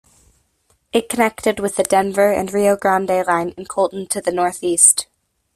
It connected with the Denver & Rio Grande line in Colton to the northeast.